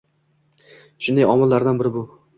Shunday omillardan biri bu